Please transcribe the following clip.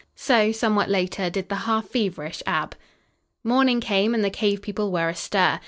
So, somewhat later, did the half feverish Ab. Morning came and the cave people were astir.